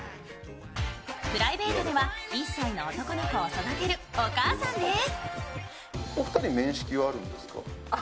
プライベートでは１歳の男の子を育てるお母さんです。